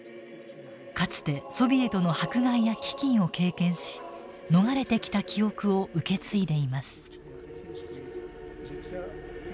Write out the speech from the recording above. かつてソビエトの迫害や飢饉を経験し逃れてきた記憶を受け継いでいます。